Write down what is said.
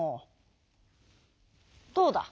どうだ。